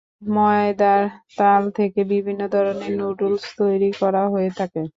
ময়দার তাল থেকে বিভিন্ন ধরনের নুডলস তৈরি করা হয়ে থাকে।